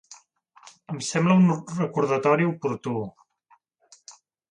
Em sembla un recordatori oportú.